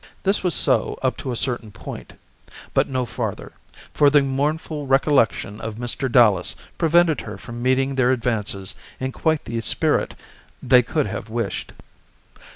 This was so up to a certain point; but no farther, for the mournful recollection of Mr. Dallas prevented her from meeting their advances in quite the spirit they could have wished.